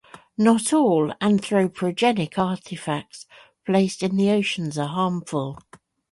Not all anthropogenic artifacts placed in the oceans are harmful.